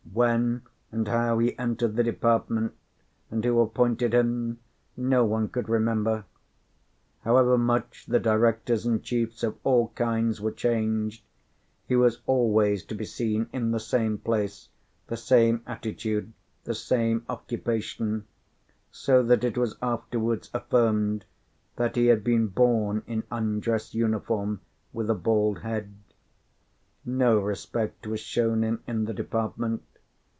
When and how he entered the department, and who appointed him, no one could remember. However much the directors and chiefs of all kinds were changed, he was always to be seen in the same place, the same attitude, the same occupation; so that it was afterwards affirmed that he had been born in undress uniform with a bald head. No respect was shown him in the department.